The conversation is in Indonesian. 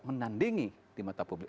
menandingi di mata publik